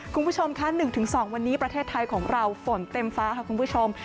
คุณผู้ชมค่ะ๑๒วันนี้ประเทศไทยของเราฝนเต็มฟ้าค่ะคุณผู้ชม